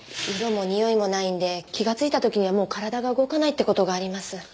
色もにおいもないんで気がついた時にはもう体が動かないって事があります。